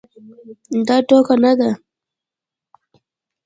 دا ټوکه نه ده.